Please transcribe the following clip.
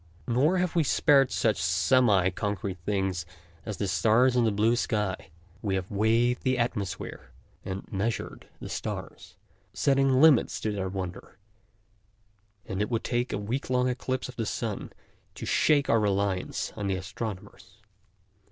Nor have we spared such semi concrete things as the stars and the blue sky. We have weighed the atmosphere and measured the stars, setting limits to their wonder, and it would take a week long eclipse of the sun to shake our reliance on the astronomers.